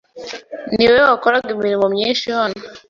niwe wakoraga imirimo myinshi hano.